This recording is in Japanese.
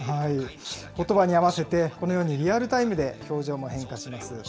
ことばに合わせて、このようにリアルタイムで表情も変化します。